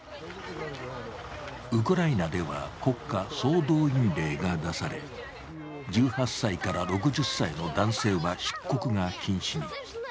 ウクライナでは国家総動員令が出され１８歳から６０歳の男性は出国が禁止に。